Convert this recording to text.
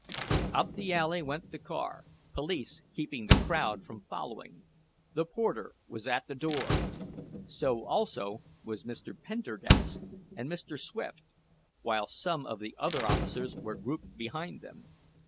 Up the alley went the car, police keeping the crowd from following. The porter was at the door. So, also, was Mr. Pendergast and Mr. Swift, while some of the other officers were grouped behind them.